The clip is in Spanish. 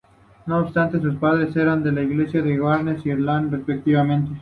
No obstante, sus padres eran de la isla de Guernsey e Irlanda respectivamente.